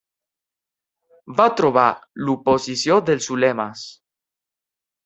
Va trobar l'oposició dels ulemes.